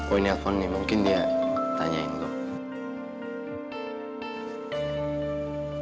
oh ini handphone nih mungkin dia tanyain gue